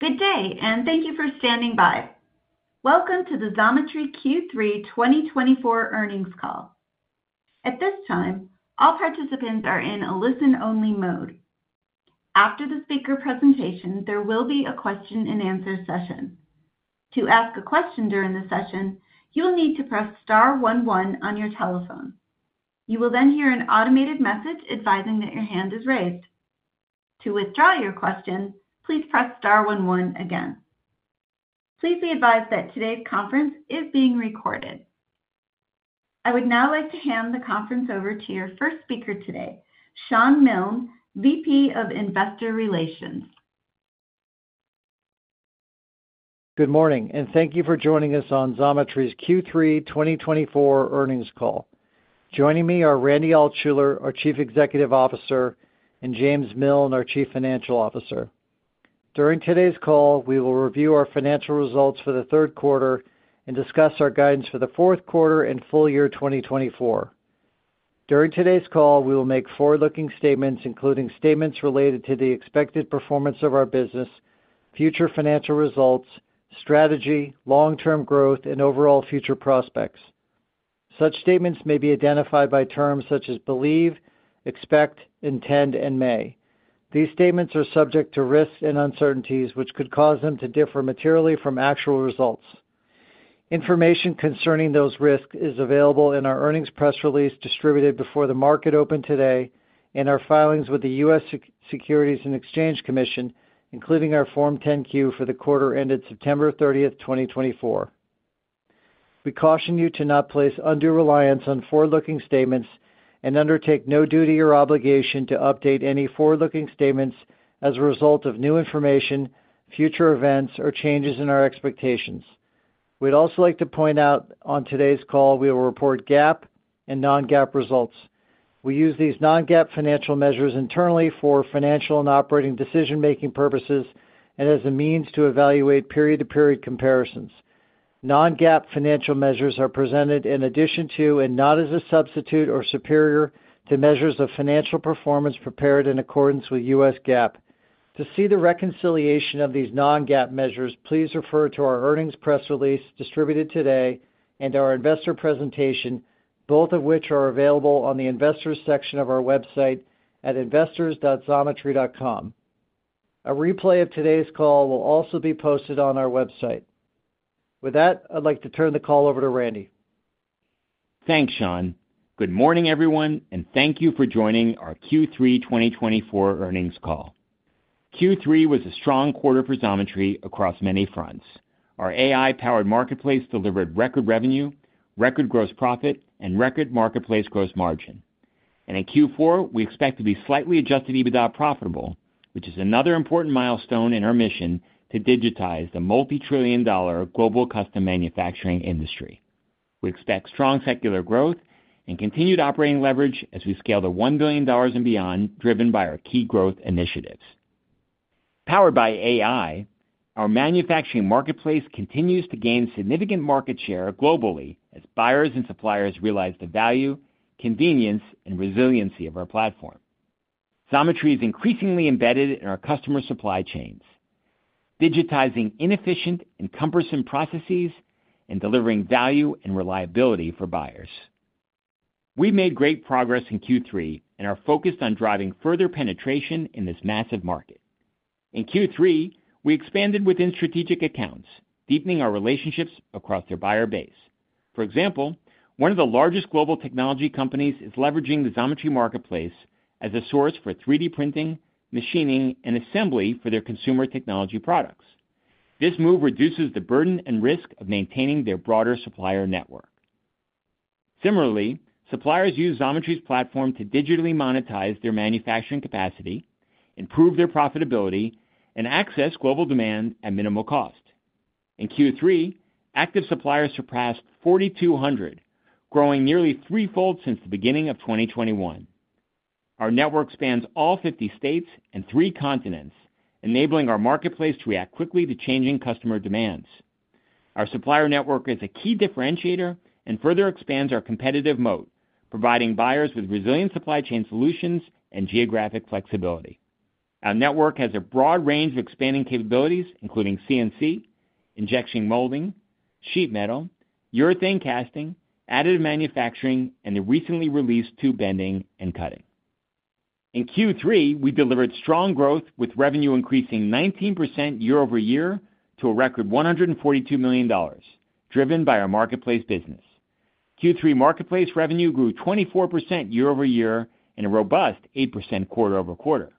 Good day, and thank you for standing by. Welcome to the Xometry Q3 2024 earnings call. At this time, all participants are in a listen-only mode. After the speaker presentation, there will be a question-and-answer session. To ask a question during the session, you'll need to press Star 11 on your telephone. You will then hear an automated message advising that your hand is raised. To withdraw your question, please press Star 11 again. Please be advised that today's conference is being recorded. I would now like to hand the conference over to your first speaker today, Shawn Milne, VP of Investor Relations. Good morning, and thank you for joining us on Xometry's Q3 2024 earnings call. Joining me are Randy Altschuler, our Chief Executive Officer, and James Milne, our Chief Financial Officer. During today's call, we will review our financial results for the third quarter and discuss our guidance for the fourth quarter and full year 2024. During today's call, we will make forward-looking statements, including statements related to the expected performance of our business, future financial results, strategy, long-term growth, and overall future prospects. Such statements may be identified by terms such as believe, expect, intend, and may. These statements are subject to risks and uncertainties, which could cause them to differ materially from actual results. Information concerning those risks is available in our earnings press release distributed before the market opened today and our filings with the U.S. Securities and Exchange Commission, including our Form 10-Q for the quarter ended September 30, 2024. We caution you to not place undue reliance on forward-looking statements and undertake no duty or obligation to update any forward-looking statements as a result of new information, future events, or changes in our expectations. We'd also like to point out that on today's call, we will report GAAP and non-GAAP results. We use these non-GAAP financial measures internally for financial and operating decision-making purposes and as a means to evaluate period-to-period comparisons. Non-GAAP financial measures are presented in addition to and not as a substitute or superior to measures of financial performance prepared in accordance with U.S. GAAP. To see the reconciliation of these non-GAAP measures, please refer to our earnings press release distributed today and our investor presentation, both of which are available on the investors' section of our website at investors.xometry.com. A replay of today's call will also be posted on our website. With that, I'd like to turn the call over to Randy. Thanks, Shawn. Good morning, everyone, and thank you for joining our Q3 2024 earnings call. Q3 was a strong quarter for Xometry across many fronts. Our AI-powered marketplace delivered record revenue, record gross profit, and record marketplace gross margin. In Q4, we expect to be slightly Adjusted EBITDA profitable, which is another important milestone in our mission to digitize the multi-trillion-dollar global custom manufacturing industry. We expect strong secular growth and continued operating leverage as we scale to $1 billion and beyond, driven by our key growth initiatives. Powered by AI, our manufacturing marketplace continues to gain significant market share globally as buyers and suppliers realize the value, convenience, and resiliency of our platform. Xometry is increasingly embedded in our customer supply chains, digitizing inefficient and cumbersome processes and delivering value and reliability for buyers. We've made great progress in Q3 and are focused on driving further penetration in this massive market. In Q3, we expanded within strategic accounts, deepening our relationships across their buyer base. For example, one of the largest global technology companies is leveraging the Xometry marketplace as a source for 3D printing, machining, and assembly for their consumer technology products. This move reduces the burden and risk of maintaining their broader supplier network. Similarly, suppliers use Xometry's platform to digitally monetize their manufacturing capacity, improve their profitability, and access global demand at minimal cost. In Q3, active suppliers surpassed 4,200, growing nearly threefold since the beginning of 2021. Our network spans all 50 states and three continents, enabling our marketplace to react quickly to changing customer demands. Our supplier network is a key differentiator and further expands our competitive moat, providing buyers with resilient supply chain solutions and geographic flexibility. Our network has a broad range of expanding capabilities, including CNC, injection molding, sheet metal, urethane casting, additive manufacturing, and the recently released tube bending and cutting. In Q3, we delivered strong growth with revenue increasing 19% year-over-year to a record $142 million, driven by our marketplace business. Q3 marketplace revenue grew 24% year-over-year and a robust 8% quarter-over-quarter.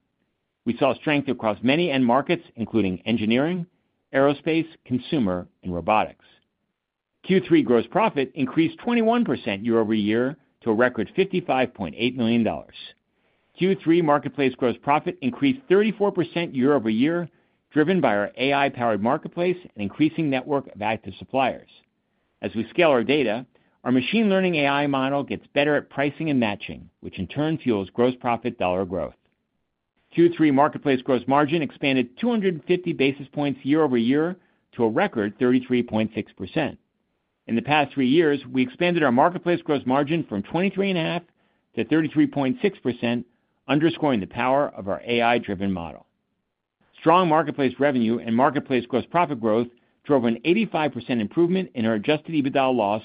We saw strength across many end markets, including engineering, aerospace, consumer, and robotics. Q3 gross profit increased 21% year-over-year to a record $55.8 million. Q3 marketplace gross profit increased 34% year-over-year, driven by our AI-powered marketplace and increasing network of active suppliers. As we scale our data, our machine learning AI model gets better at pricing and matching, which in turn fuels gross profit dollar growth. Q3 marketplace gross margin expanded 250 basis points year-over-year to a record 33.6%. In the past three years, we expanded our marketplace gross margin from 23.5% to 33.6%, underscoring the power of our AI-driven model. Strong marketplace revenue and marketplace gross profit growth drove an 85% improvement in our adjusted EBITDA loss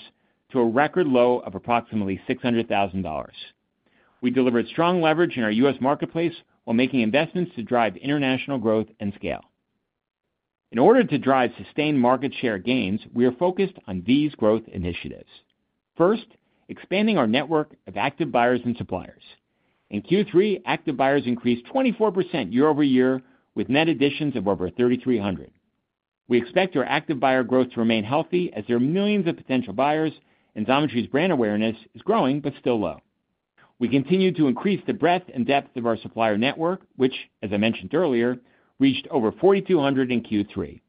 to a record low of approximately $600,000. We delivered strong leverage in our U.S. marketplace while making investments to drive international growth and scale. In order to drive sustained market share gains, we are focused on these growth initiatives. First, expanding our network of active buyers and suppliers. In Q3, active buyers increased 24% year-over-year with net additions of over 3,300. We expect our active buyer growth to remain healthy as there are millions of potential buyers and Xometry's brand awareness is growing but still low. We continue to increase the breadth and depth of our supplier network, which, as I mentioned earlier, reached over 4,200 in Q3.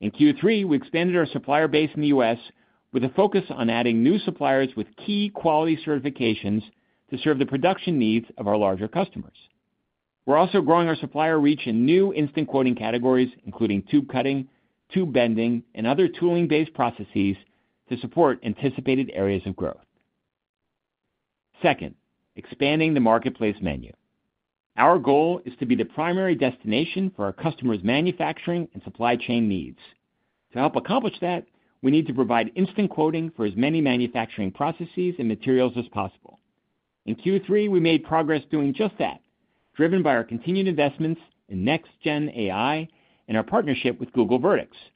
In Q3, we expanded our supplier base in the U.S. with a focus on adding new suppliers with key quality certifications to serve the production needs of our larger customers. We're also growing our supplier reach in new instant quoting categories, including tube cutting, tube bending, and other tooling-based processes to support anticipated areas of growth. Second, expanding the marketplace menu. Our goal is to be the primary destination for our customers' manufacturing and supply chain needs. To help accomplish that, we need to provide instant quoting for as many manufacturing processes and materials as possible. In Q3, we made progress doing just that, driven by our continued investments in next-gen AI and our partnership with Google Vertex AI.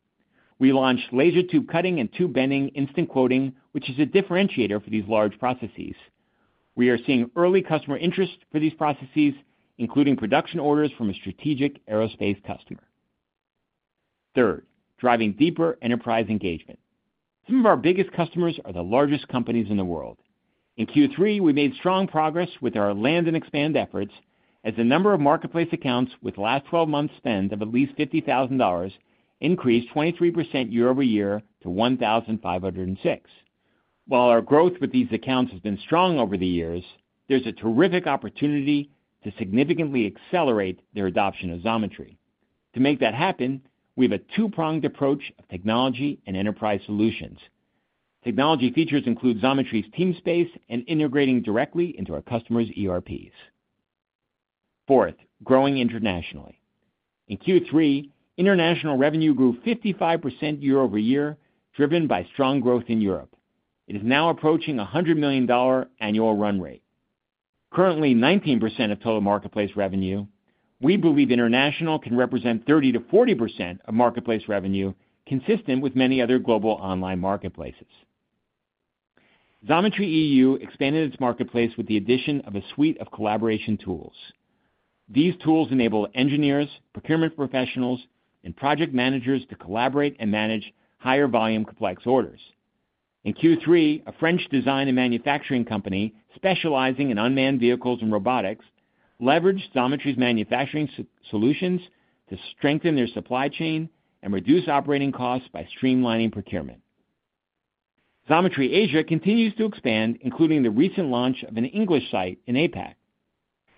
We launched laser tube cutting and tube bending instant quoting, which is a differentiator for these large processes. We are seeing early customer interest for these processes, including production orders from a strategic aerospace customer. Third, driving deeper enterprise engagement. Some of our biggest customers are the largest companies in the world. In Q3, we made strong progress with our land and expand efforts as the number of marketplace accounts with last 12 months' spend of at least $50,000 increased 23% year-over-year to 1,506. While our growth with these accounts has been strong over the years, there's a terrific opportunity to significantly accelerate their adoption of Xometry. To make that happen, we have a two-pronged approach of technology and enterprise solutions. Technology features include Xometry's Teamspace and integrating directly into our customers' ERPs. Fourth, growing internationally. In Q3, international revenue grew 55% year-over-year, driven by strong growth in Europe. It is now approaching a $100 million annual run rate. Currently, 19% of total marketplace revenue, we believe international can represent 30%-40% of marketplace revenue, consistent with many other global online marketplaces. Xometry EU expanded its marketplace with the addition of a suite of collaboration tools. These tools enable engineers, procurement professionals, and project managers to collaborate and manage higher-volume complex orders. In Q3, a French design and manufacturing company specializing in unmanned vehicles and robotics leveraged Xometry's manufacturing solutions to strengthen their supply chain and reduce operating costs by streamlining procurement. Xometry Asia continues to expand, including the recent launch of an English site in APAC.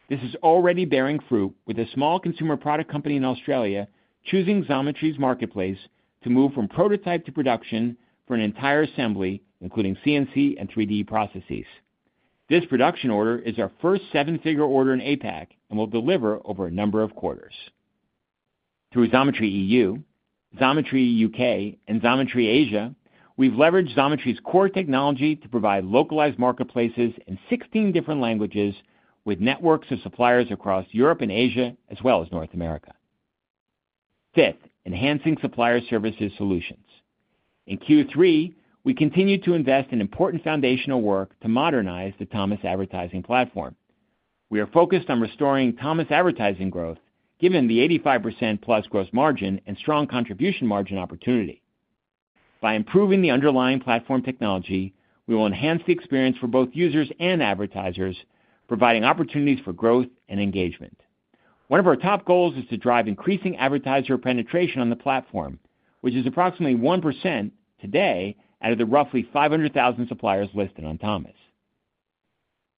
This is already bearing fruit with a small consumer product company in Australia choosing Xometry's marketplace to move from prototype to production for an entire assembly, including CNC and 3D processes. This production order is our first seven-figure order in APAC and will deliver over a number of quarters. Through Xometry EU, Xometry UK, and Xometry Asia, we've leveraged Xometry's core technology to provide localized marketplaces in 16 different languages with networks of suppliers across Europe and Asia, as well as North America. Fifth, enhancing supplier services solutions. In Q3, we continue to invest in important foundational work to modernize the Thomas advertising platform. We are focused on restoring Thomas advertising growth, given the 85% plus gross margin and strong contribution margin opportunity. By improving the underlying platform technology, we will enhance the experience for both users and advertisers, providing opportunities for growth and engagement. One of our top goals is to drive increasing advertiser penetration on the platform, which is approximately 1% today out of the roughly 500,000 suppliers listed on Thomas.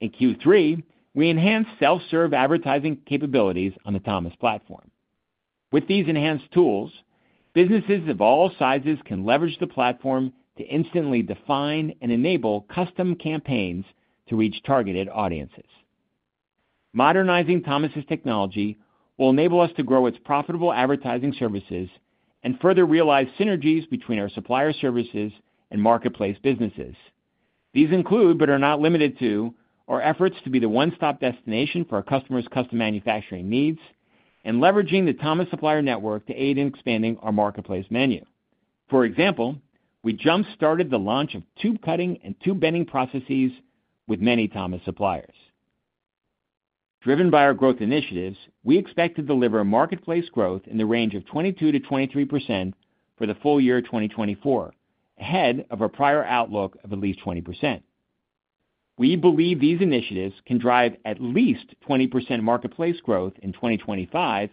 In Q3, we enhanced self-serve advertising capabilities on the Thomas platform. With these enhanced tools, businesses of all sizes can leverage the platform to instantly define and enable custom campaigns to reach targeted audiences. Modernizing Thomas's technology will enable us to grow its profitable advertising services and further realize synergies between our supplier services and marketplace businesses. These include, but are not limited to, our efforts to be the one-stop destination for our customers' custom manufacturing needs and leveraging the Thomas supplier network to aid in expanding our marketplace menu. For example, we jump-started the launch of tube cutting and tube bending processes with many Thomas suppliers. Driven by our growth initiatives, we expect to deliver marketplace growth in the range of 22%-23% for the full year 2024, ahead of our prior outlook of at least 20%. We believe these initiatives can drive at least 20% marketplace growth in 2025,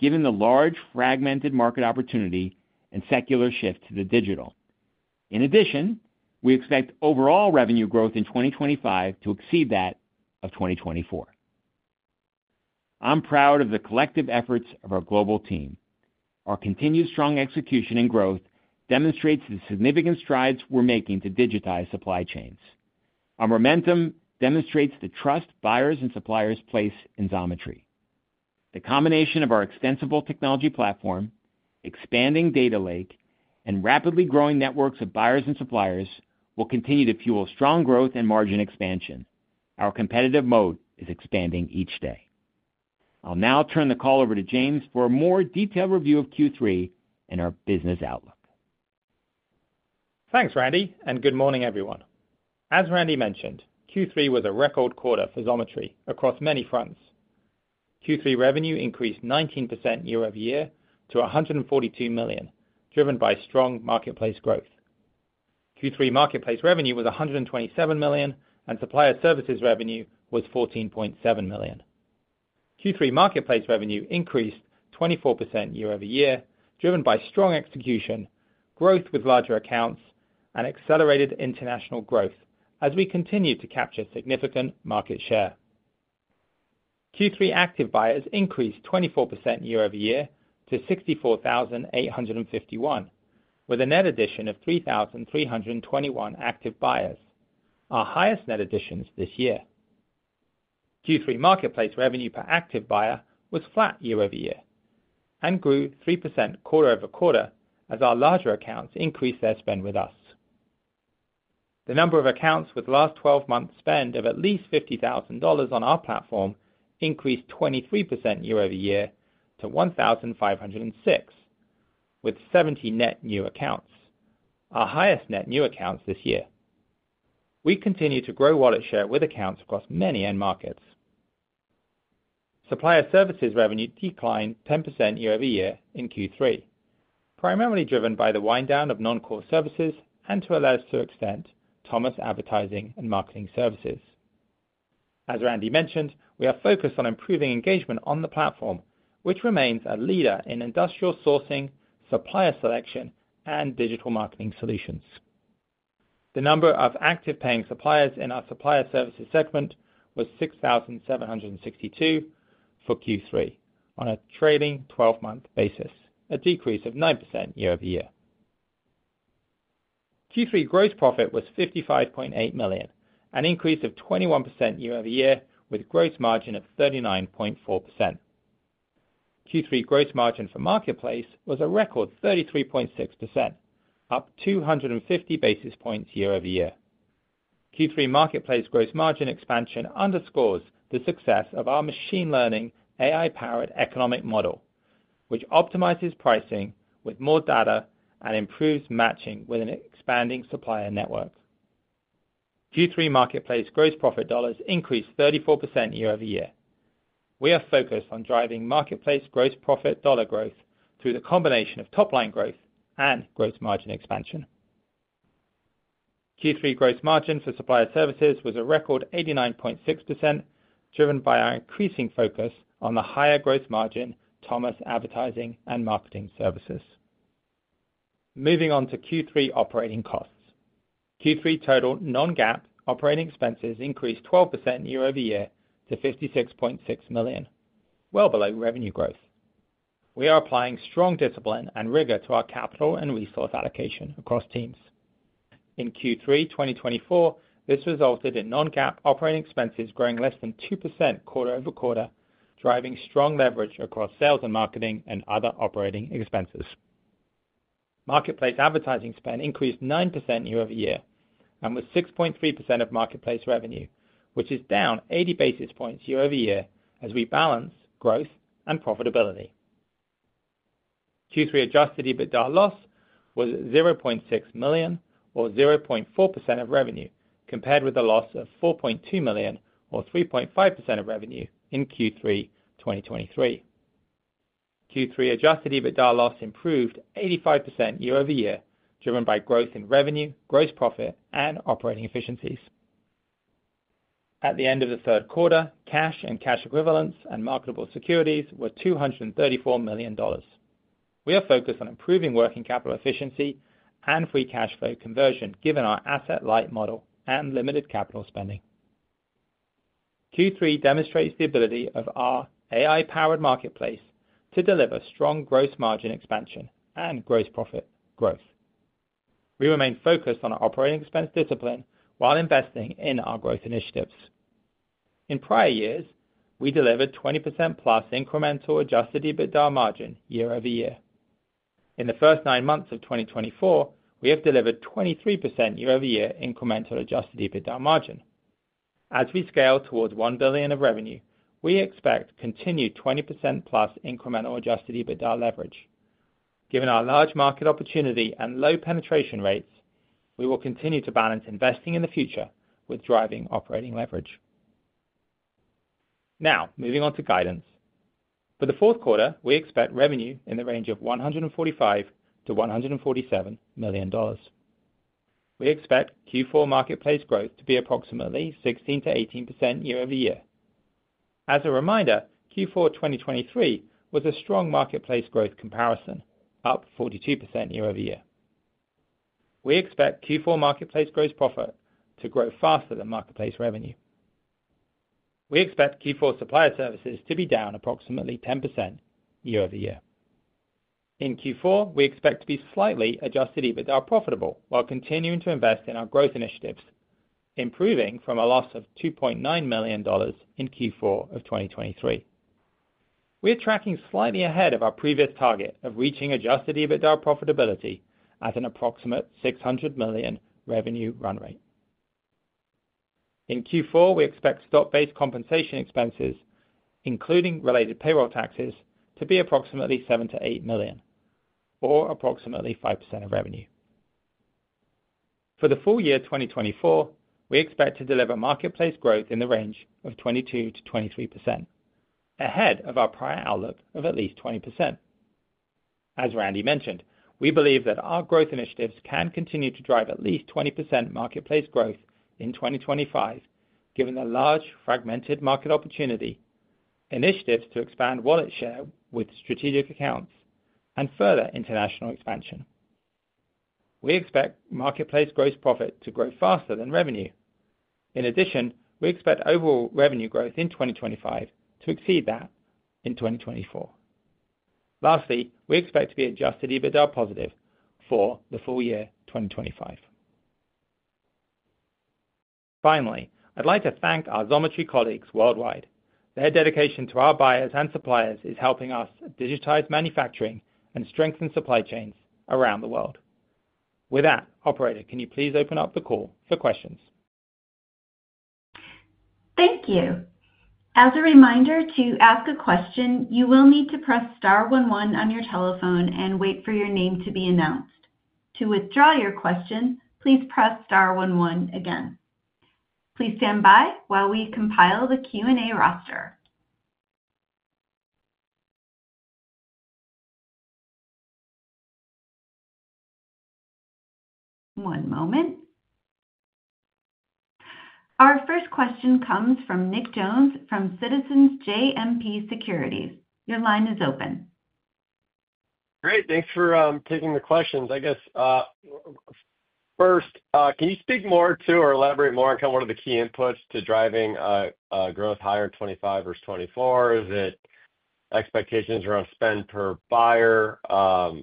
given the large fragmented market opportunity and secular shift to the digital. In addition, we expect overall revenue growth in 2025 to exceed that of 2024. I'm proud of the collective efforts of our global team. Our continued strong execution and growth demonstrates the significant strides we're making to digitize supply chains. Our momentum demonstrates the trust buyers and suppliers place in Xometry. The combination of our extensible technology platform, expanding data lake, and rapidly growing networks of buyers and suppliers will continue to fuel strong growth and margin expansion. Our competitive moat is expanding each day. I'll now turn the call over to James for a more detailed review of Q3 and our business outlook. Thanks, Randy, and good morning, everyone. As Randy mentioned, Q3 was a record quarter for Xometry across many fronts. Q3 revenue increased 19% year-over-year to $142 million, driven by strong marketplace growth. Q3 marketplace revenue was $127 million, and supplier services revenue was $14.7 million. Q3 marketplace revenue increased 24% year-over-year, driven by strong execution, growth with larger accounts, and accelerated international growth as we continued to capture significant market share. Q3 active buyers increased 24% year-over-year to 64,851, with a net addition of 3,321 active buyers, our highest net additions this year. Q3 marketplace revenue per active buyer was flat year-over-year and grew 3% quarter-over-quarter as our larger accounts increased their spend with us. The number of accounts with last 12 months' spend of at least $50,000 on our platform increased 23% year-over-year to 1,506, with 70 net new accounts, our highest net new accounts this year. We continue to grow wallet share with accounts across many end markets. Supplier services revenue declined 10% year-over-year in Q3, primarily driven by the wind down of non-core services and, to a lesser extent, Thomas advertising and marketing services. As Randy mentioned, we are focused on improving engagement on the platform, which remains a leader in industrial sourcing, supplier selection, and digital marketing solutions. The number of active paying suppliers in our supplier services segment was 6,762 for Q3 on a trailing 12-month basis, a decrease of 9% year-over-year. Q3 gross profit was $55.8 million, an increase of 21% year-over-year with gross margin of 39.4%. Q3 gross margin for marketplace was a record 33.6%, up 250 basis points year-over-year. Q3 marketplace gross margin expansion underscores the success of our machine learning AI-powered economic model, which optimizes pricing with more data and improves matching with an expanding supplier network. Q3 marketplace gross profit dollars increased 34% year-over-year. We are focused on driving marketplace gross profit dollar growth through the combination of top-line growth and gross margin expansion. Q3 gross margin for supplier services was a record 89.6%, driven by our increasing focus on the higher gross margin Thomas advertising and marketing services. Moving on to Q3 operating costs. Q3 total non-GAAP operating expenses increased 12% year-over-year to $56.6 million, well below revenue growth. We are applying strong discipline and rigor to our capital and resource allocation across teams. In Q3 2024, this resulted in non-GAAP operating expenses growing less than 2% quarter-over-quarter, driving strong leverage across sales and marketing and other operating expenses. Marketplace advertising spend increased 9% year-over-year and was 6.3% of marketplace revenue, which is down 80 basis points year-over-year as we balance growth and profitability. Q3 Adjusted EBITDA loss was $0.6 million, or 0.4% of revenue, compared with a loss of $4.2 million, or 3.5% of revenue in Q3 2023. Q3 Adjusted EBITDA loss improved 85% year-over-year, driven by growth in revenue, gross profit, and operating efficiencies. At the end of the third quarter, cash and cash equivalents and marketable securities were $234 million. We are focused on improving working capital efficiency and free cash flow conversion, given our asset-light model and limited capital spending. Q3 demonstrates the ability of our AI-powered marketplace to deliver strong gross margin expansion and gross profit growth. We remain focused on our operating expense discipline while investing in our growth initiatives. In prior years, we delivered 20% plus incremental Adjusted EBITDA margin year-over-year. In the first nine months of 2024, we have delivered 23% year-over-year incremental Adjusted EBITDA margin. As we scale towards $1 billion of revenue, we expect continued 20% plus incremental adjusted EBITDA leverage. Given our large market opportunity and low penetration rates, we will continue to balance investing in the future with driving operating leverage. Now, moving on to guidance. For the fourth quarter, we expect revenue in the range of $145 million-$147 million. We expect Q4 marketplace growth to be approximately 16%-18% year-over-year. As a reminder, Q4 2023 was a strong marketplace growth comparison, up 42% year-over-year. We expect Q4 marketplace gross profit to grow faster than marketplace revenue. We expect Q4 supplier services to be down approximately 10% year-over-year. In Q4, we expect to be slightly adjusted EBITDA profitable while continuing to invest in our growth initiatives, improving from a loss of $2.9 million in Q4 of 2023. We are tracking slightly ahead of our previous target of reaching Adjusted EBITDA profitability at an approximate $600 million revenue run rate. In Q4, we expect stock-based compensation expenses, including related payroll taxes, to be approximately $7-$8 million, or approximately 5% of revenue. For the full year 2024, we expect to deliver marketplace growth in the range of 22%-23%, ahead of our prior outlook of at least 20%. As Randy mentioned, we believe that our growth initiatives can continue to drive at least 20% marketplace growth in 2025, given the large fragmented market opportunity, initiatives to expand wallet share with strategic accounts, and further international expansion. We expect marketplace gross profit to grow faster than revenue. In addition, we expect overall revenue growth in 2025 to exceed that in 2024. Lastly, we expect to be Adjusted EBITDA positive for the full year 2025. Finally, I'd like to thank our Xometry colleagues worldwide. Their dedication to our buyers and suppliers is helping us digitize manufacturing and strengthen supply chains around the world. With that, operator, can you please open up the call for questions? Thank you. As a reminder, to ask a question, you will need to press star 11 on your telephone and wait for your name to be announced. To withdraw your question, please press star 11 again. Please stand by while we compile the Q&A roster. One moment. Our first question comes from Nick Jones from Citizens JMP Securities. Your line is open. Great. Thanks for taking the questions. I guess, first, can you speak more to or elaborate more on kind of one of the key inputs to driving growth higher in 2025 versus 2024? Is it expectations around spend per buyer,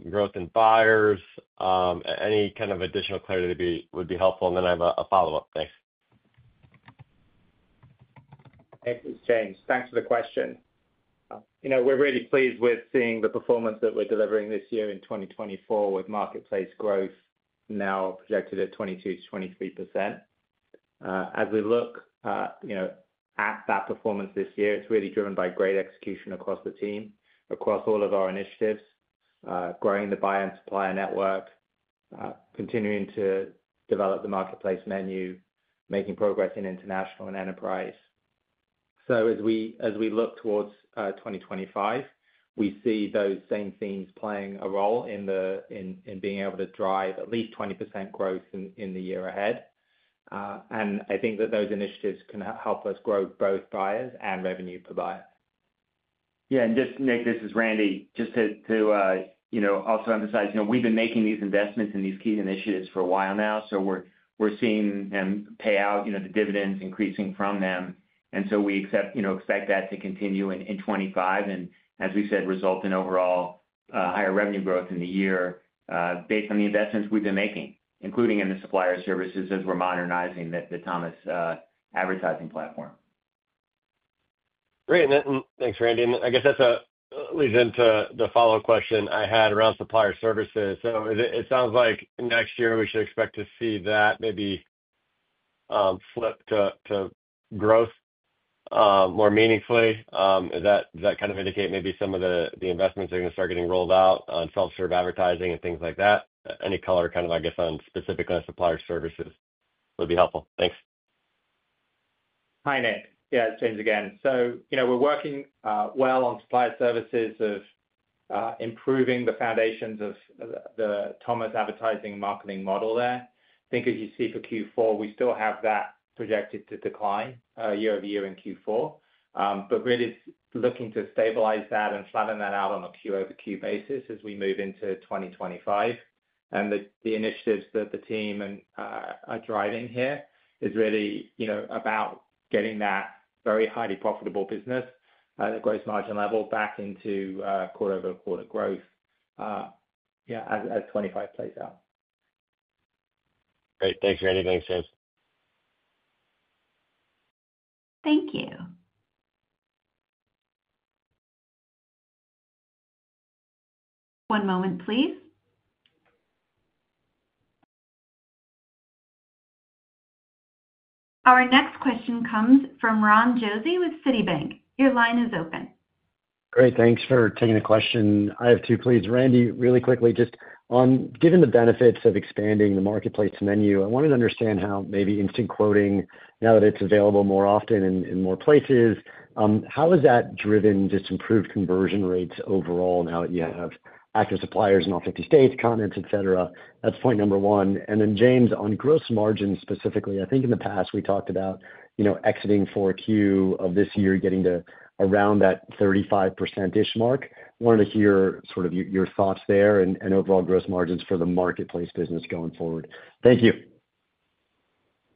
growth in buyers? Any kind of additional clarity would be helpful. And then I have a follow-up. Thanks. Thanks, James. Thanks for the question. We're really pleased with seeing the performance that we're delivering this year in 2024 with marketplace growth now projected at 22%-23%. As we look at that performance this year, it's really driven by great execution across the team, across all of our initiatives, growing the buyer and supplier network, continuing to develop the marketplace menu, making progress in international and enterprise, so as we look towards 2025, we see those same themes playing a role in being able to drive at least 20% growth in the year ahead, and I think that those initiatives can help us grow both buyers and revenue per buyer. Yeah, and just, Nick, this is Randy, just to also emphasize, we've been making these investments in these key initiatives for a while now, so we're seeing payout, the dividends increasing from them, and so we expect that to continue in 2025 and, as we said, result in overall higher revenue growth in the year based on the investments we've been making, including in the supplier services as we're modernizing the Thomas advertising platform. Great. And thanks, Randy. And I guess that leads into the follow-up question I had around supplier services. So it sounds like next year we should expect to see that maybe flip to growth more meaningfully. Does that kind of indicate maybe some of the investments are going to start getting rolled out on self-serve advertising and things like that? Any color kind of, I guess, on specifically supplier services would be helpful. Thanks. Hi, Nick. Yeah, James again, so we're working well on supplier services of improving the foundations of the Thomas advertising platform there. I think as you see for Q4, we still have that projected to decline year-over-year in Q4, but really looking to stabilize that and flatten that out on a Q-over-Q basis as we move into 2025, and the initiatives that the team are driving here is really about getting that very highly profitable business at a gross margin level back into quarter-over-quarter growth as 2025 plays out. Great. Thanks, Randy. Thanks, James. Thank you. One moment, please. Our next question comes from Ron Josey with Citibank. Your line is open. Great. Thanks for taking the question. I have two, please. Randy, really quickly, just on given the benefits of expanding the marketplace menu, I wanted to understand how maybe instant quoting, now that it's available more often in more places, how has that driven just improved conversion rates overall and how you have active suppliers in all 50 states, continents, etc.? That's point number one. And then, James, on gross margins specifically, I think in the past we talked about exiting for Q of this year getting to around that 35%-ish mark. Wanted to hear sort of your thoughts there and overall gross margins for the marketplace business going forward. Thank you.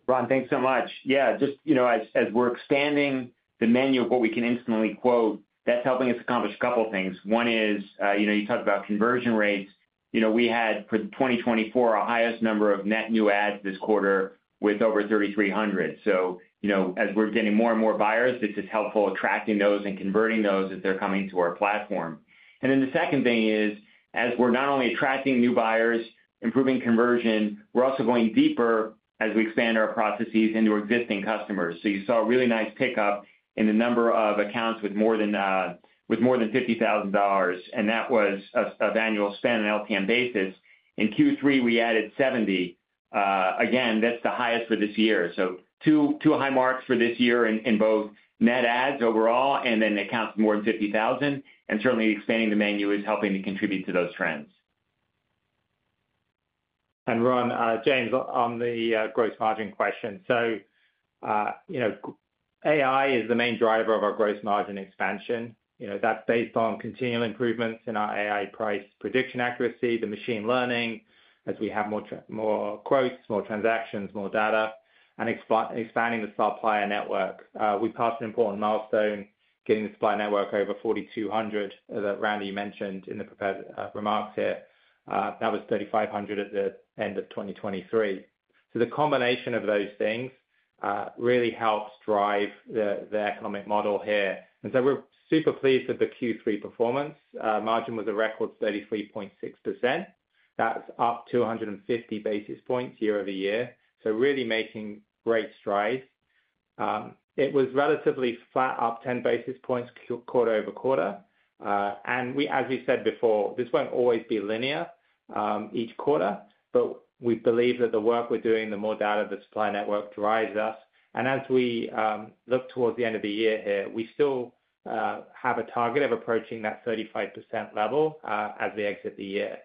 Ron, thanks so much. Yeah, just as we're expanding the menu of what we can instantly quote, that's helping us accomplish a couple of things. One is you talked about conversion rates. We had, for 2024, our highest number of net new ads this quarter with over 3,300. So as we're getting more and more buyers, it's just helpful attracting those and converting those as they're coming to our platform. And then the second thing is, as we're not only attracting new buyers, improving conversion, we're also going deeper as we expand our processes into existing customers. So you saw a really nice pickup in the number of accounts with more than $50,000, and that was of annual spend on LTM basis. In Q3, we added 70. Again, that's the highest for this year. Two high marks for this year in both net adds overall and then accounts with more than 50,000. Certainly, expanding the menu is helping to contribute to those trends. Ron, James, on the gross margin question. AI is the main driver of our gross margin expansion. That's based on continual improvements in our AI price prediction accuracy, the machine learning, as we have more quotes, more transactions, more data, and expanding the supplier network. We passed an important milestone, getting the supplier network over 4,200, as Randy mentioned in the prepared remarks here. That was 3,500 at the end of 2023. The combination of those things really helps drive the economic model here. We're super pleased with the Q3 performance. Margin was a record 33.6%. That's up 250 basis points year-over-year. Really making great strides. It was relatively flat, up 10 basis points quarter-over-quarter. As we said before, this won't always be linear each quarter, but we believe that the work we're doing, the more data the supply network drives us. And as we look towards the end of the year here, we still have a target of approaching that 35% level as we exit the year.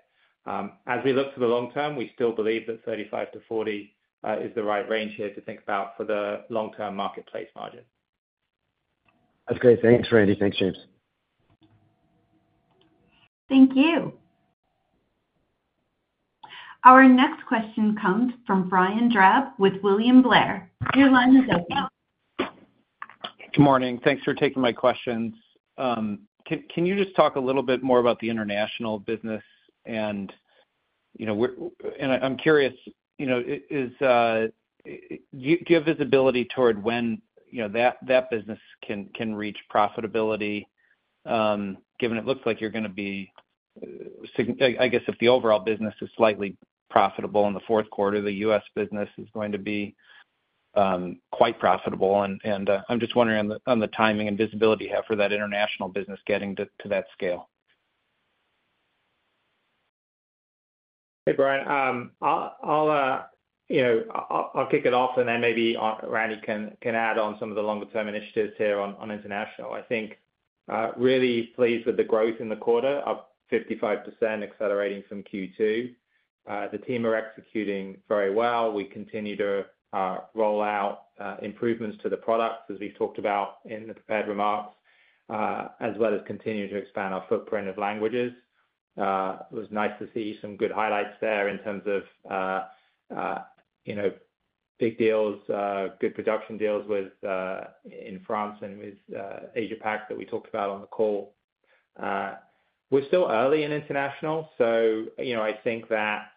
As we look to the long term, we still believe that 35%-40% is the right range here to think about for the long-term marketplace margin. That's great. Thanks, Randy. Thanks, James. Thank you. Our next question comes from Brian Drab with William Blair. Your line is open. Good morning. Thanks for taking my questions. Can you just talk a little bit more about the international business? And I'm curious, do you have visibility toward when that business can reach profitability, given it looks like you're going to be, I guess, if the overall business is slightly profitable in the fourth quarter, the U.S. business is going to be quite profitable. And I'm just wondering on the timing and visibility for that international business getting to that scale? Hey, Brian. I'll kick it off, and then maybe Randy can add on some of the longer-term initiatives here on international. I'm really pleased with the growth in the quarter of 55% accelerating from Q2. The team are executing very well. We continue to roll out improvements to the products, as we've talked about in the prepared remarks, as well as continue to expand our footprint of languages. It was nice to see some good highlights there in terms of big deals, good production deals in France and with Asia-Pacific that we talked about on the call. We're still early in international, so I think that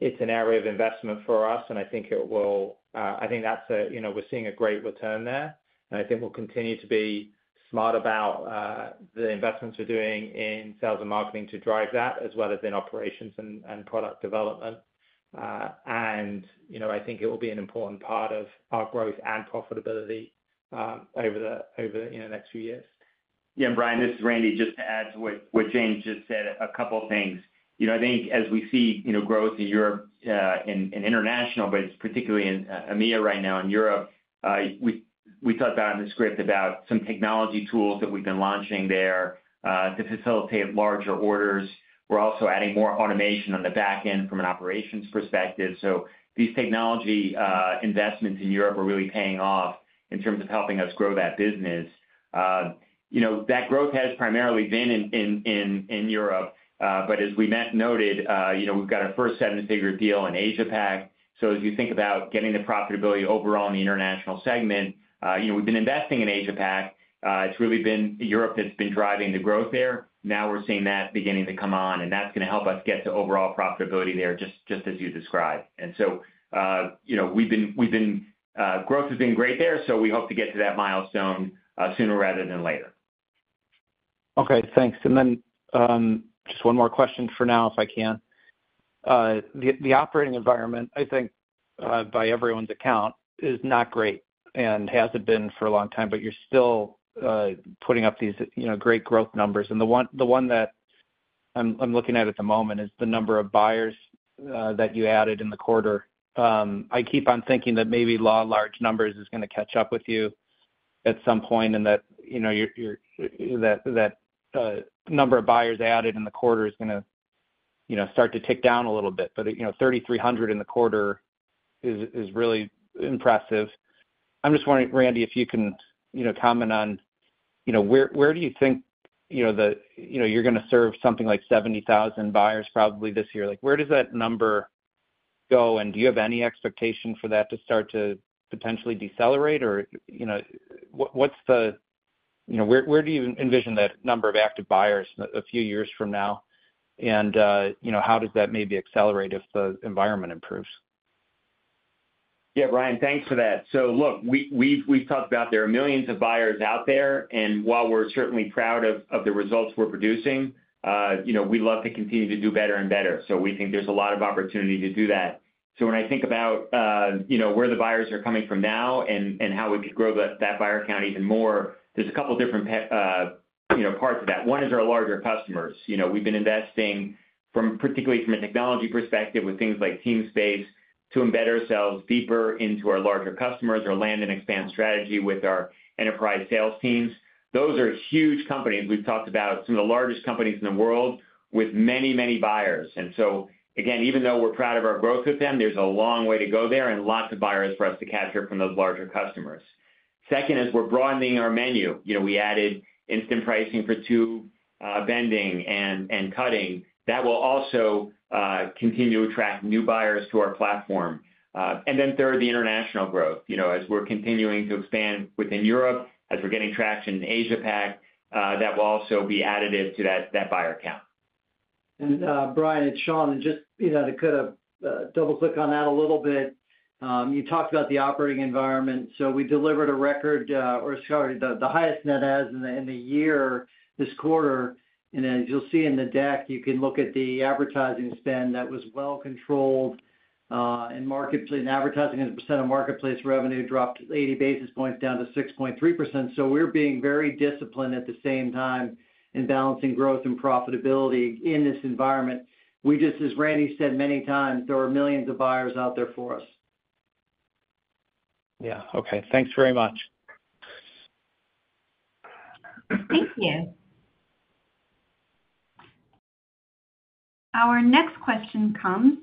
it's an area of investment for us, and I think it will. I think that's where we're seeing a great return there. I think we'll continue to be smart about the investments we're doing in sales and marketing to drive that, as well as in operations and product development. I think it will be an important part of our growth and profitability over the next few years. Yeah. And Brian, this is Randy, just to add to what James just said, a couple of things. I think as we see growth in Europe and international, but it's particularly in EMEA right now in Europe. We talked about in the script about some technology tools that we've been launching there to facilitate larger orders. We're also adding more automation on the back end from an operations perspective. So these technology investments in Europe are really paying off in terms of helping us grow that business. That growth has primarily been in Europe, but as we noted, we've got our first seven-figure deal in Asia-Pac. So as you think about getting the profitability overall in the international segment, we've been investing in Asia-Pac. It's really been Europe that's been driving the growth there. Now we're seeing that beginning to come on, and that's going to help us get to overall profitability there, just as you described, and so growth has been great there, so we hope to get to that milestone sooner rather than later. Okay. Thanks. And then just one more question for now, if I can. The operating environment, I think by everyone's account, is not great and hasn't been for a long time, but you're still putting up these great growth numbers. And the one that I'm looking at at the moment is the number of buyers that you added in the quarter. I keep on thinking that maybe large numbers is going to catch up with you at some point and that number of buyers added in the quarter is going to start to tick down a little bit. But 3,300 in the quarter is really impressive. I'm just wondering, Randy, if you can comment on where do you think you're going to serve something like 70,000 buyers probably this year? Where does that number go, and do you have any expectation for that to start to potentially decelerate? Where do you envision that number of active buyers a few years from now? And how does that maybe accelerate if the environment improves? Yeah, Brian, thanks for that, so look, we've talked about there are millions of buyers out there, and while we're certainly proud of the results we're producing, we'd love to continue to do better and better, so we think there's a lot of opportunity to do that, so when I think about where the buyers are coming from now and how we could grow that buyer count even more, there's a couple of different parts of that. One is our larger customers. We've been investing, particularly from a technology perspective with things like Teamspace, to embed ourselves deeper into our larger customers, our land and expand strategy with our enterprise sales teams. Those are huge companies. We've talked about some of the largest companies in the world with many, many buyers. And so again, even though we're proud of our growth with them, there's a long way to go there and lots of buyers for us to capture from those larger customers. Second is we're broadening our menu. We added instant pricing for tube bending and cutting. That will also continue to attract new buyers to our platform. And then third, the international growth. As we're continuing to expand within Europe, as we're getting traction in Asia-Pac, that will also be additive to that buyer count. Brian, it's Shawn. Just to kind of double-click on that a little bit, you talked about the operating environment. We delivered a record or sorry, the highest net adds in the year this quarter. As you'll see in the deck, you can look at the advertising spend that was well controlled. Advertising as a percent of marketplace revenue dropped 80 basis points down to 6.3%. We're being very disciplined at the same time in balancing growth and profitability in this environment. Just, as Randy said many times, there are millions of buyers out there for us. Yeah. Okay. Thanks very much. Thank you. Our next question comes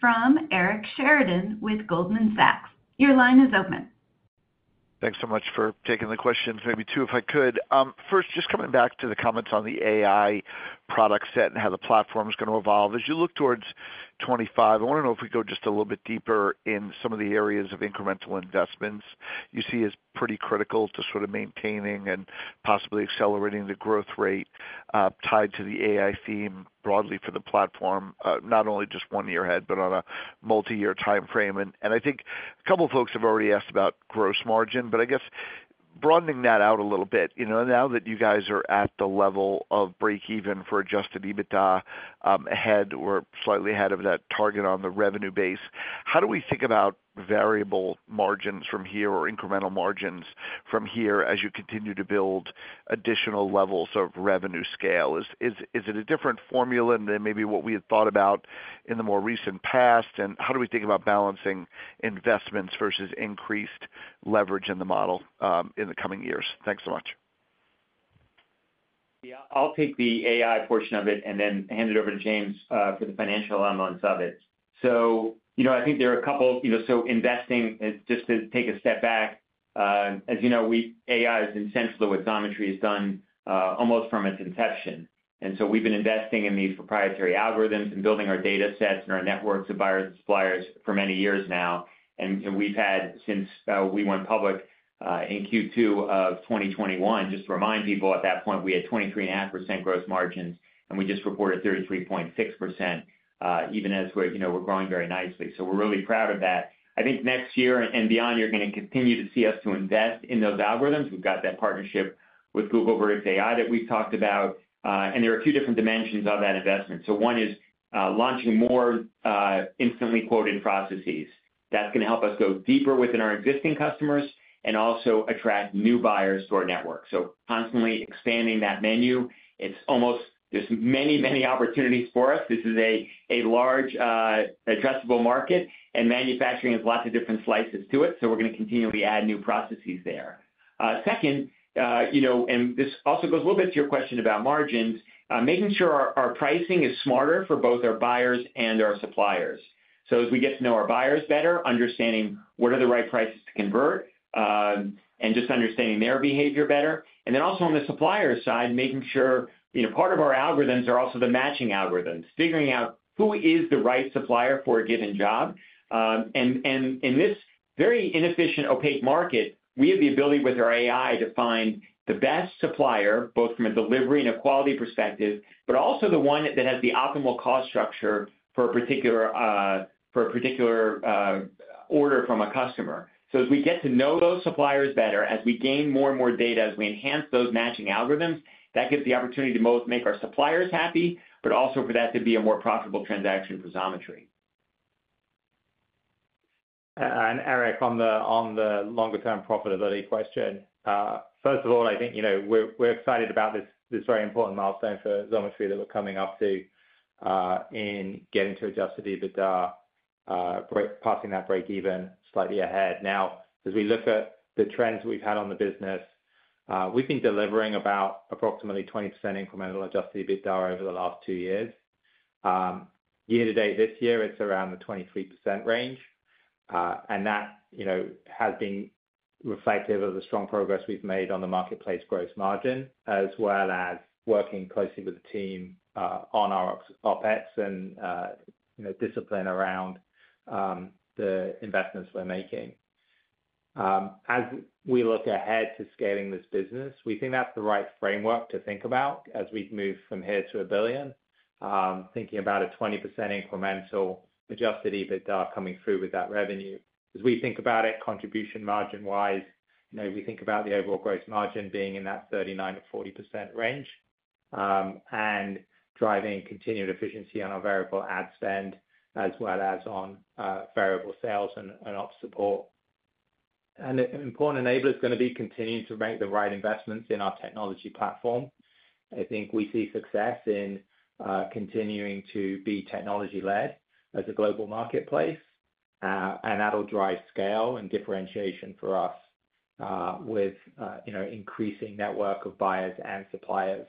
from Eric Sheridan with Goldman Sachs. Your line is open. Thanks so much for taking the questions. Maybe two, if I could. First, just coming back to the comments on the AI product set and how the platform is going to evolve. As you look towards 2025, I want to know if we go just a little bit deeper in some of the areas of incremental investments you see as pretty critical to sort of maintaining and possibly accelerating the growth rate tied to the AI theme broadly for the platform, not only just one year ahead, but on a multi-year timeframe, and I think a couple of folks have already asked about gross margin, but I guess broadening that out a little bit. Now that you guys are at the level of break-even for Adjusted EBITDA ahead or slightly ahead of that target on the revenue base, how do we think about variable margins from here or incremental margins from here as you continue to build additional levels of revenue scale? Is it a different formula than maybe what we had thought about in the more recent past? And how do we think about balancing investments versus increased leverage in the model in the coming years? Thanks so much. Yeah. I'll take the AI portion of it and then hand it over to James for the financial elements of it. So I think there are a couple so investing, just to take a step back, as you know, AI is intensively what Xometry has done almost from its inception. And so we've been investing in these proprietary algorithms and building our data sets and our networks of buyers and suppliers for many years now. And we've had, since we went public in Q2 of 2021, just to remind people at that point, we had 23.5% gross margins, and we just reported 33.6%, even as we're growing very nicely. So we're really proud of that. I think next year and beyond, you're going to continue to see us to invest in those algorithms. We've got that partnership with Google Vertex AI that we've talked about. And there are two different dimensions of that investment. So one is launching more instantly quoted processes. That's going to help us go deeper within our existing customers and also attract new buyers to our network. So constantly expanding that menu. It's almost there's many, many opportunities for us. This is a large addressable market, and manufacturing has lots of different slices to it. So we're going to continually add new processes there. Second, and this also goes a little bit to your question about margins, making sure our pricing is smarter for both our buyers and our suppliers. So as we get to know our buyers better, understanding what are the right prices to convert and just understanding their behavior better. And then also on the supplier side, making sure part of our algorithms are also the matching algorithms, figuring out who is the right supplier for a given job. And in this very inefficient, opaque market, we have the ability with our AI to find the best supplier, both from a delivery and a quality perspective, but also the one that has the optimal cost structure for a particular order from a customer. So as we get to know those suppliers better, as we gain more and more data, as we enhance those matching algorithms, that gives the opportunity to both make our suppliers happy, but also for that to be a more profitable transaction for Xometry. And Eric on the longer-term profitability question. First of all, I think we're excited about this very important milestone for Xometry that we're coming up to in getting to Adjusted EBITDA, passing that break-even slightly ahead. Now, as we look at the trends that we've had on the business, we've been delivering about approximately 20% incremental Adjusted EBITDA over the last two years. Year to date, this year, it's around the 23% range. And that has been reflective of the strong progress we've made on the marketplace gross margin, as well as working closely with the team on our OpEx and discipline around the investments we're making. As we look ahead to scaling this business, we think that's the right framework to think about as we move from here to $1 billion, thinking about a 20% incremental Adjusted EBITDA coming through with that revenue. As we think about it, contribution margin-wise, we think about the overall gross margin being in that 39%-40% range and driving continued efficiency on our variable ad spend, as well as on variable sales and ops support. And an important enabler is going to be continuing to make the right investments in our technology platform. I think we see success in continuing to be technology-led as a global marketplace, and that'll drive scale and differentiation for us with increasing network of buyers and suppliers.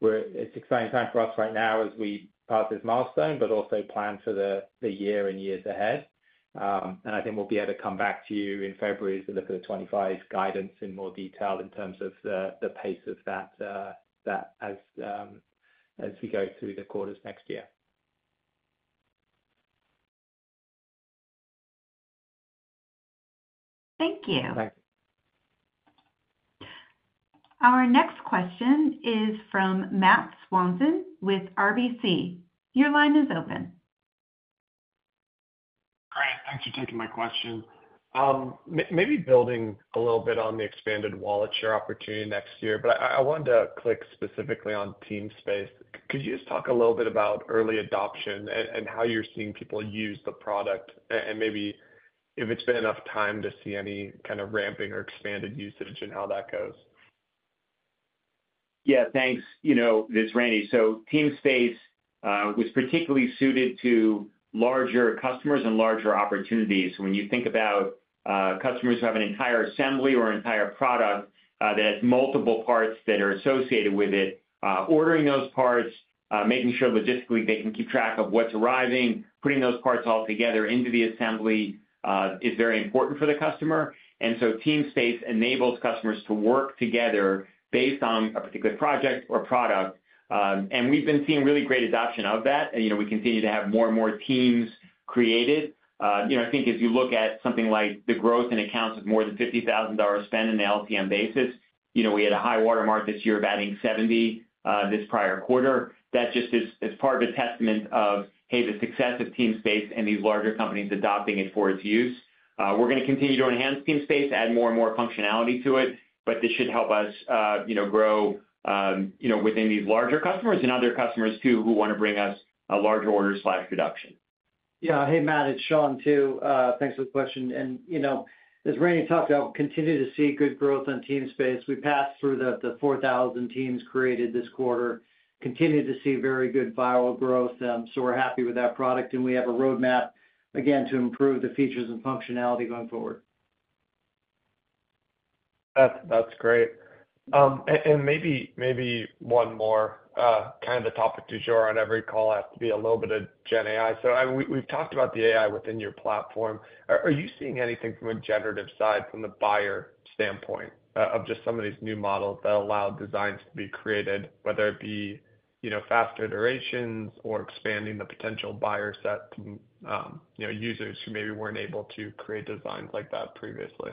It's an exciting time for us right now as we pass this milestone, but also plan for the year and years ahead. And I think we'll be able to come back to you in February to look at the 2025 guidance in more detail in terms of the pace of that as we go through the quarters next year. Thank you. Thanks. Our next question is from Matt Swanson with RBC. Your line is open. Great. Thanks for taking my question. Maybe building a little bit on the expanded wallet share opportunity next year, but I wanted to click specifically on Teamspace. Could you just talk a little bit about early adoption and how you're seeing people use the product and maybe if it's been enough time to see any kind of ramping or expanded usage and how that goes? Yeah. Thanks. It's Randy. So Teamspace was particularly suited to larger customers and larger opportunities. When you think about customers who have an entire assembly or an entire product that has multiple parts that are associated with it, ordering those parts, making sure logistically they can keep track of what's arriving, putting those parts all together into the assembly is very important for the customer. And so Teamspace enables customers to work together based on a particular project or product. And we've been seeing really great adoption of that. And we continue to have more and more teams created. I think as you look at something like the growth in accounts of more than $50,000 spend on an LTM basis, we had a high watermark this year of adding 70 this prior quarter. That just is part of a testament of, hey, the success of Teamspace and these larger companies adopting it for its use. We're going to continue to enhance Teamspace, add more and more functionality to it, but this should help us grow within these larger customers and other customers too who want to bring us a larger order slash production. Yeah. Hey, Matt, it's Shawn too. Thanks for the question, and as Randy talked about, continue to see good growth on Teamspace. We passed through the 4,000 teams created this quarter. Continue to see very good viral growth, so we're happy with that product, and we have a roadmap, again, to improve the features and functionality going forward. That's great. And maybe one more kind of the topic to show on every call has to be a little bit of Gen AI. So we've talked about the AI within your platform. Are you seeing anything from a generative side from the buyer standpoint of just some of these new models that allow designs to be created, whether it be faster iterations or expanding the potential buyer set to users who maybe weren't able to create designs like that previously?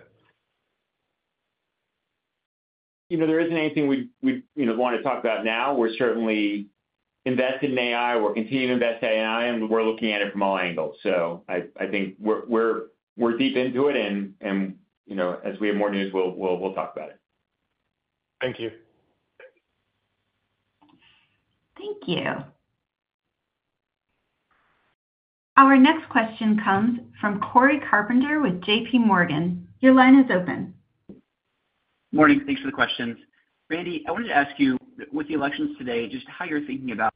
There isn't anything we'd want to talk about now. We're certainly invested in AI. We're continuing to invest in AI, and we're looking at it from all angles. So I think we're deep into it. And as we have more news, we'll talk about it. Thank you. Thank you. Our next question comes from Cory Carpenter with JP Morgan. Your line is open. Morning. Thanks for the questions. Randy, I wanted to ask you, with the elections today, just how you're thinking about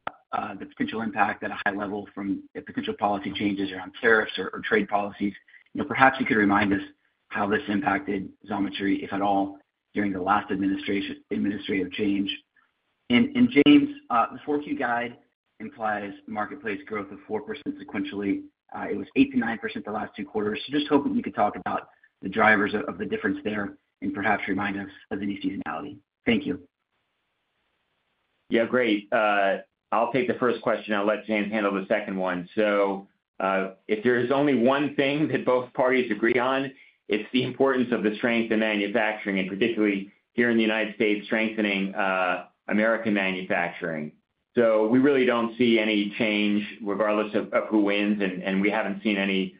the potential impact at a high level from potential policy changes around tariffs or trade policies. Perhaps you could remind us how this impacted Xometry, if at all, during the last administrative change. And James, the Q4 guide implies marketplace growth of 4% sequentially. It was 8%-9% the last two quarters. So just hoping you could talk about the drivers of the difference there and perhaps remind us of any seasonality. Thank you. Yeah. Great. I'll take the first question. I'll let James handle the second one, so if there is only one thing that both parties agree on, it's the importance of the strength in manufacturing, and particularly here in the United States, strengthening American manufacturing, so we really don't see any change regardless of who wins, and we haven't seen any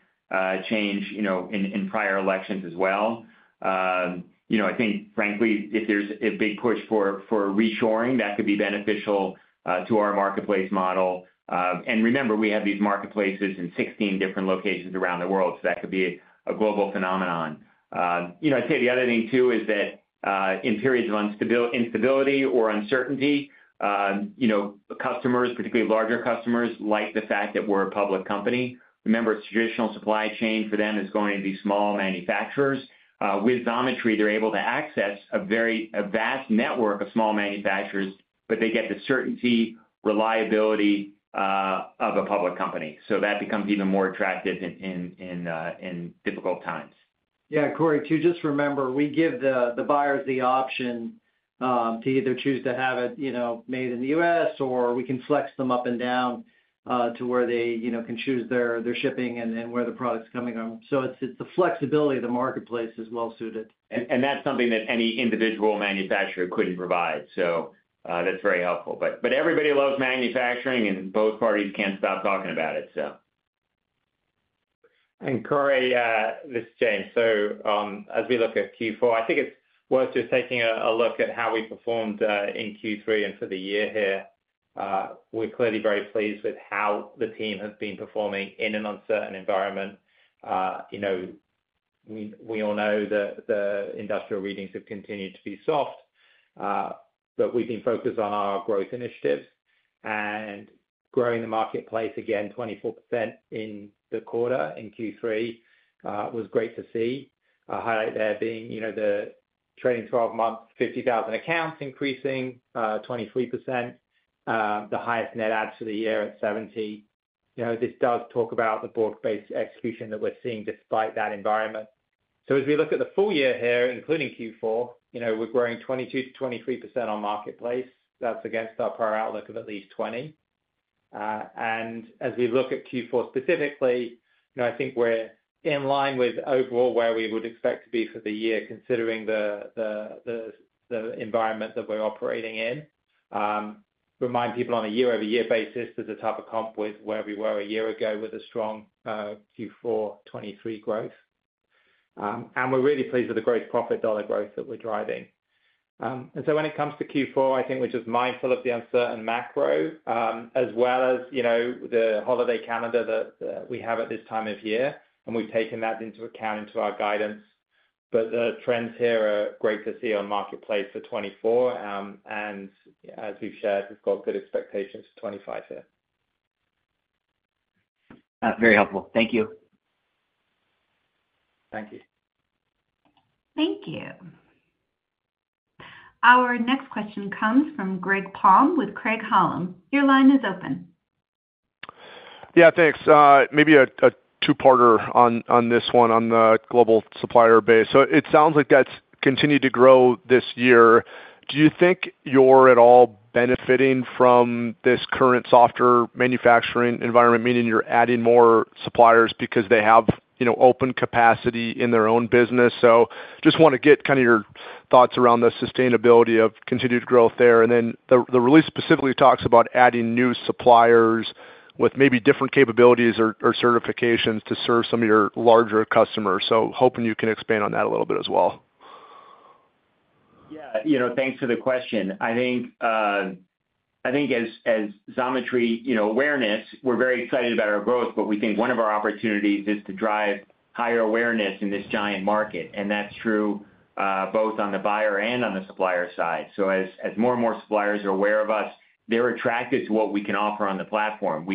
change in prior elections as well. I think, frankly, if there's a big push for reshoring, that could be beneficial to our marketplace model. And remember, we have these marketplaces in 16 different locations around the world, so that could be a global phenomenon. I'd say the other thing too is that in periods of instability or uncertainty, customers, particularly larger customers, like the fact that we're a public company. Remember, it's traditional supply chain for them is going to be small manufacturers. With Xometry, they're able to access a very vast network of small manufacturers, but they get the certainty, reliability of a public company. So that becomes even more attractive in difficult times. Yeah. Cory, too, just remember, we give the buyers the option to either choose to have it made in the U.S., or we can flex them up and down to where they can choose their shipping and where the product's coming from. So it's the flexibility of the marketplace is well-suited. That's something that any individual manufacturer couldn't provide. So that's very helpful. But everybody loves manufacturing, and both parties can't stop talking about it, so. And, Cory, this is James. So as we look at Q4, I think it's worth just taking a look at how we performed in Q3 and for the year here. We're clearly very pleased with how the team have been performing in an uncertain environment. We all know that the industrial readings have continued to be soft, but we've been focused on our growth initiatives. And growing the marketplace again, 24% in the quarter in Q3 was great to see. The highlight there being the trailing 12-month 50,000 accounts increasing 23%, the highest net adds for the year at 70. This does talk about the broad-based execution that we're seeing despite that environment. So as we look at the full year here, including Q4, we're growing 22%-23% on marketplace. That's against our prior outlook of at least 20%. And as we look at Q4 specifically, I think we're in line with overall where we would expect to be for the year, considering the environment that we're operating in. Remind people on a year-over-year basis, there's a type of comp with where we were a year ago with a strong Q4 2023 growth. And we're really pleased with the gross profit dollar growth that we're driving. And so when it comes to Q4, I think we're just mindful of the uncertain macro, as well as the holiday calendar that we have at this time of year. And we've taken that into account into our guidance. But the trends here are great to see on marketplace for 2024. And as we've shared, we've got good expectations for 2025 here. That's very helpful. Thank you. Thank you. Thank you. Our next question comes from Greg Palm with Craig-Hallum Capital Group. Your line is open. Yeah. Thanks. Maybe a two-parter on this one on the global supplier base. So it sounds like that's continued to grow this year. Do you think you're at all benefiting from this current softer manufacturing environment, meaning you're adding more suppliers because they have open capacity in their own business? So just want to get kind of your thoughts around the sustainability of continued growth there. And then the release specifically talks about adding new suppliers with maybe different capabilities or certifications to serve some of your larger customers. So hoping you can expand on that a little bit as well. Yeah. Thanks for the question. I think, as Xometry awareness, we're very excited about our growth, but we think one of our opportunities is to drive higher awareness in this giant market, and that's true both on the buyer and on the supplier side, so as more and more suppliers are aware of us, they're attracted to what we can offer on the platform.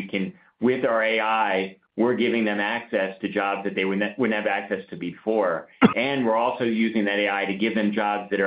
With our AI, we're giving them access to jobs that they wouldn't have access to before. And we're also using that AI to give them jobs that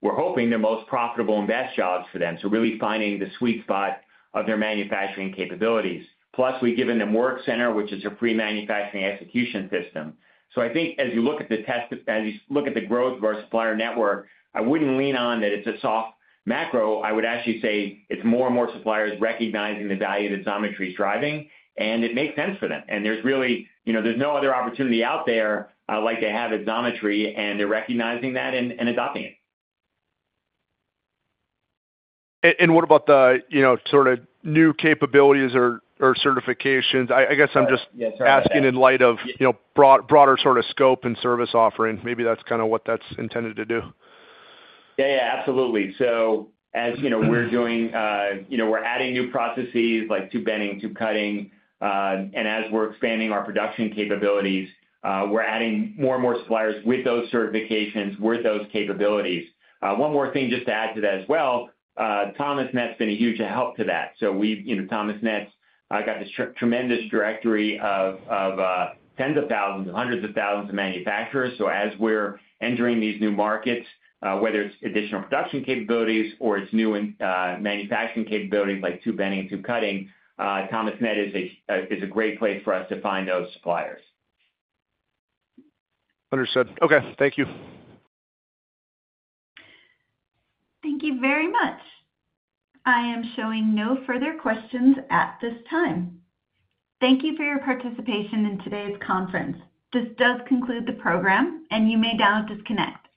we're hoping the most profitable and best jobs for them, so really finding the sweet spot of their manufacturing capabilities. Plus, we've given them Workcenter, which is a free manufacturing execution system. So, I think as you look at the growth of our supplier network, I wouldn't lean on that. It's a soft macro. I would actually say it's more and more suppliers recognizing the value that Xometry is driving, and it makes sense for them. And there's no other opportunity out there like they have at Xometry, and they're recognizing that and adopting it. What about the sort of new capabilities or certifications? I guess I'm just asking in light of broader sort of scope and service offering. Maybe that's kind of what that's intended to do. Yeah. Yeah. Absolutely, so as we're doing, we're adding new processes like tube bending, tube cutting. And as we're expanding our production capabilities, we're adding more and more suppliers with those certifications with those capabilities. One more thing just to add to that as well. Thomasnet's been a huge help to that, so Thomasnet's got this tremendous directory of tens of thousands, hundreds of thousands of manufacturers, so as we're entering these new markets, whether it's additional production capabilities or it's new manufacturing capabilities like tube bending and tube cutting, Thomasnet is a great place for us to find those suppliers. Understood. Okay. Thank you. Thank you very much. I am showing no further questions at this time. Thank you for your participation in today's conference. This does conclude the program, and you may now disconnect.